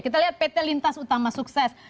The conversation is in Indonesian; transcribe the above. kita lihat pt lintas utama sukses